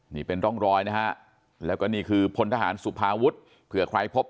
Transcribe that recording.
นี่เป็นร่องรอยนะฮะแล้วก็นี่คือพลทหารสุภาวุฒิเผื่อใครพบ